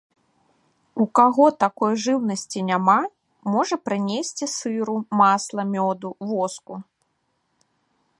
У каго такой жыўнасці няма, можа прынесці сыру, масла, мёду, воску.